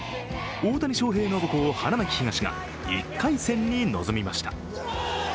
大谷翔平の母校・花巻東が１回戦に臨みました。